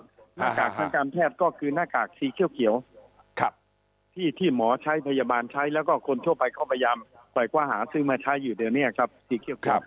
หน้ากากทางการแพทย์ก็คือหน้ากากสีเขียวที่หมอใช้พยาบาลใช้แล้วก็คนทั่วไปก็พยายามปล่อยคว้าหาซื้อมาใช้อยู่เดี๋ยวนี้ครับสีเขียว